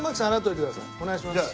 お願いします。